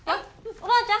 おばあちゃん